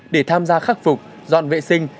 để tham gia khắc phục dọn vệ sinh